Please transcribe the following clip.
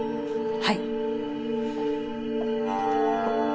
はい！